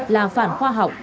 là phản khoa học